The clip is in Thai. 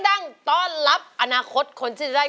กว่าจะจบรายการเนี่ย๔ทุ่มมาก